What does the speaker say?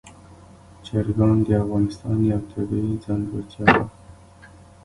چرګان د افغانستان یوه طبیعي ځانګړتیا ده.